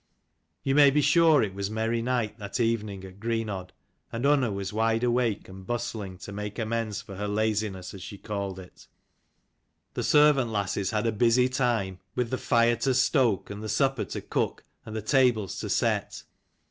You may be sure it was merry night that evening at Greenodd, and Unna was wide awake and bustling to made amends for her laziness, as she called it. The servant lasses 15 had a busy time, with the fire to stoke, and the supper to cook, and the tables to set.